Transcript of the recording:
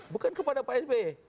bukan kepada pak asb